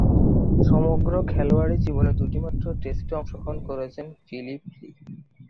সমগ্র খেলোয়াড়ী জীবনে দুইটিমাত্র টেস্টে অংশগ্রহণ করেছেন ফিলিপ লি।